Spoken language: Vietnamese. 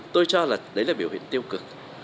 tôi cho là đấy là biểu hiện tiêu cực